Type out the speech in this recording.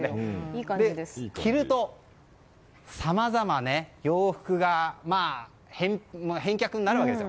着ると、さまざま洋服が返却になるわけです。